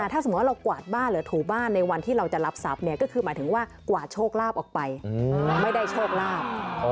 ถ้าสมมุติว่าเรากวาดบ้านหรือถูบ้านในวันที่เราจะรับทรัพย์ก็คือหมายถึงว่ากวาดโชคลาภออกไปไม่ได้โชคลาภ